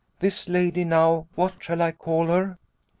This lady now what shall I call her